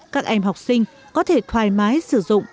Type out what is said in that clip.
các em học sinh có thể thoải mái sử dụng